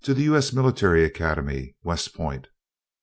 S. Military Academy, West Point.